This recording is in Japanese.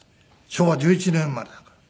昭和１１年生まれだから。